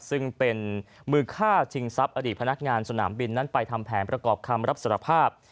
ซึ่งเป็นมือฆ่าชิงทรัพย์อดีตพนักงานสนามบินนั้นไปทำแผนประกอบคำรับสารภาพ